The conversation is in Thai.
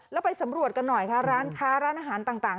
แล้วไปสำรวจกันหน่อยค่ะร้านค้าร้านอาหารต่าง